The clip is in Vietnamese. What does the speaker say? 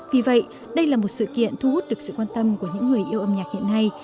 vì vậy đây là một sự kiện thu hút được sự quan tâm của những người yêu âm nhạc hiện nay